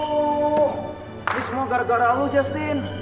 ini semua gara gara lo justin